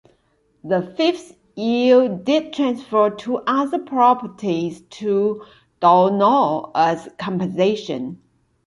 The fifth Earl did transfer two other properties to Donough as compensation.